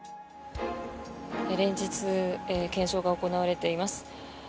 連日、検証が行われています。